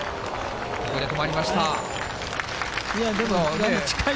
ここで止まりました。